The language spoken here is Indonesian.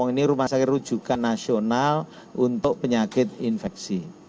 ini rumah sakit rujukan nasional untuk penyakit infeksi